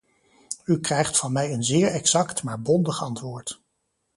U krijgt van mij een zeer exact maar bondig antwoord.